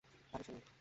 আরে, শুনুন।